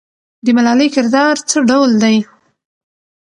د ملالۍ کردار څه ډول دی؟